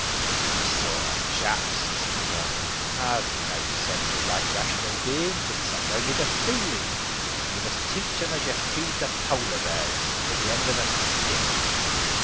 "These sort of chaps," said the gardener, "have no senses like rational beings, except only the feeling, and you must teach them as you feed the Polar bears with the end of a stick."